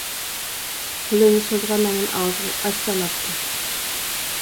قولىنى سوزغان ھامان ئاغزىغا ئاش سالاتتى.